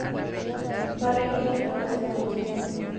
Barriga llena, corazón contento